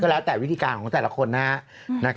และแต่วิธีการของแต่ละคน